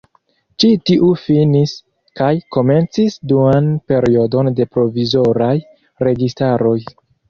Ĉi tiu finis kaj komencis duan periodon de provizoraj registaroj.